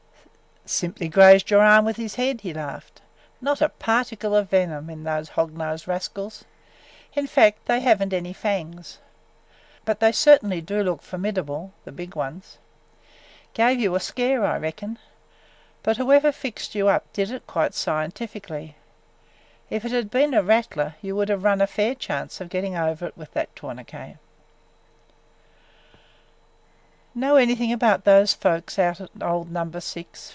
"Simply grazed your arm with his head!" he laughed. "Not a particle of venom in those hog nosed rascals; in fact, they have n't any fangs. But they certainly do look formidable, the big ones! Gave you a scare, I reckon! But whoever fixed you up did it quite scientifically. If it had been a rattler, you would have run a fair chance of getting over it with that tourniquet." "Know anything about those folks out at old Number Six?"